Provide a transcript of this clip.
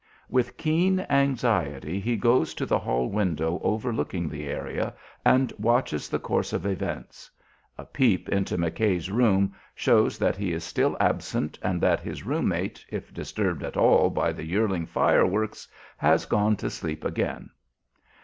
With keen anxiety, he goes to the hall window overlooking the area, and watches the course of events. A peep into McKay's room shows that he is still absent and that his room mate, if disturbed at all by the "yearling fireworks," has gone to sleep again.